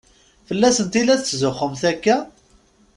Fell-asent i la tetzuxxumt akka?